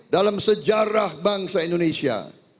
dalam sejarah bangsa indonesia